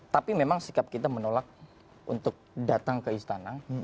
tapi memang sikap kita menolak untuk datang ke istana